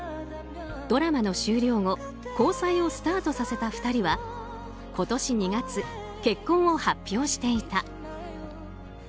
ドラマの終了後交際をスタートさせた２人は今年２月、結婚を発表していた。